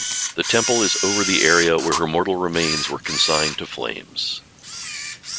The temple is over the area where her mortal remains were consigned to flames.